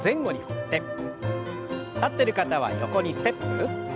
立ってる方は横にステップ。